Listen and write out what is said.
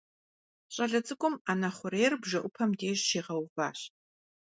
Щӏалэ цӏыкӏум ӏэнэ хъурейр бжэӏупэм деж щигъэуващ.